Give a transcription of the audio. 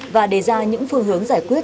và đề ra những phương hướng giải quyết